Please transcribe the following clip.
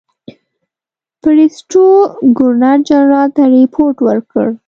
بریسټو ګورنرجنرال ته رپوټ ورکړ.